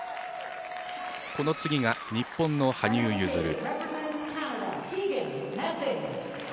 この次が日本の羽生結弦。